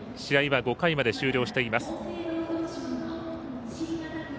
試合は５回まで終了しています。